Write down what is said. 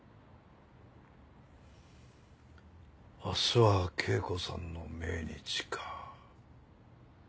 明日は恵子さんの命日か。